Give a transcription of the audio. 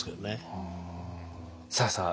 さあさあ